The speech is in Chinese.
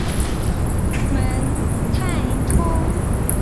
蒙泰通。